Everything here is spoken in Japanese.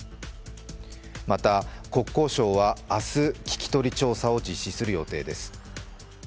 また国交省は明日、聞き取り調査を実施する予定です。